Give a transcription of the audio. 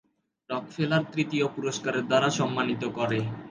Rockefeller তৃতীয় পুরষ্কারের দ্বারা সম্মানিত করে।